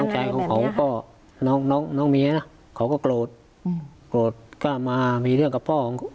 ใจของเขาก็น้องน้องเมียนะเขาก็โกรธโกรธก็มามีเรื่องกับพ่อของ